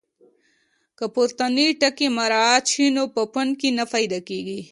که پورتني ټکي مراعات شي نو پوپنکي نه پیدا کېږي.